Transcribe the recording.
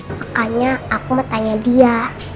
makanya aku mau tanya dia